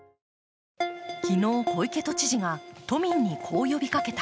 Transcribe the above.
昨日、小池都知事が都民にこう呼びかけた。